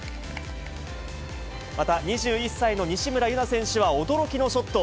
また２１歳の西村優菜選手は、驚きのショット。